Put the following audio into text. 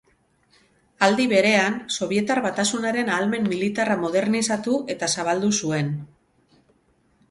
Aldi berean, Sobietar Batasunaren ahalmen militarra modernizatu eta zabaldu zuen.